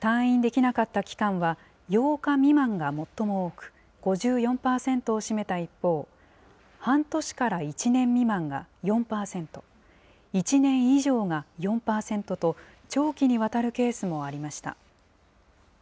退院できなかった期間は、８日未満が最も多く、５４％を占めた一方、半年から１年未満が４％、１年以上が４％と、長期にわたるケースもありました。